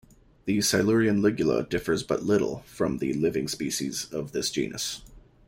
The Silurian "Lingula" differs but little from the living species of this genus".